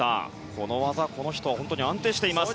この技、この人は本当に安定しています。